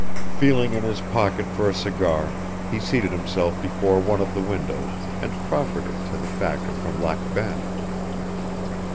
Feeling in his pocket for a cigar he seated himself before one of the windows and proffered it to the factor from Lac Bain.